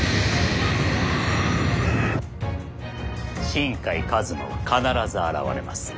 新海一馬は必ず現れます。